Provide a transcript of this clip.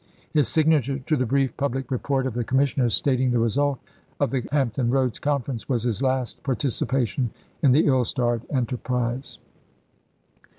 His signature to the brief public report pj.^k ek of the commissioners stating the result of the Hamp ton Roads Conference was his last participation in the ill starred enterprise.